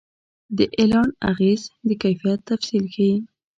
د اعلان اغېز د کیفیت تفصیل ښيي.